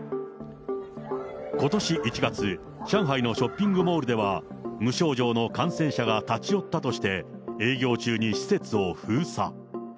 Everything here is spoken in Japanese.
ことし１月、上海のショッピングモールでは、無症状の感染者が立ち寄ったとして、営業中に施設を封鎖。